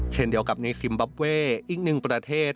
เช่นเดียวกับในคิมบับเว่อีกหนึ่งประเทศ